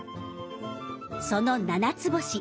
そのななつぼし。